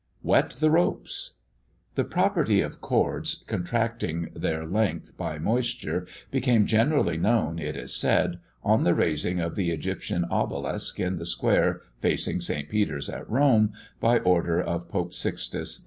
"WET THE ROPES." The property of cords contracting their length by moisture became generally known, it is said, on the raising of the Egyptian obelisk in the square facing St. Peter's, at Rome, by order of Pope Sixtus V.